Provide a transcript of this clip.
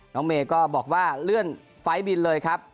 เมย์ก็บอกว่าเลื่อนไฟล์บินเลยครับ